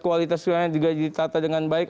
kualitas suaranya juga ditata dengan baik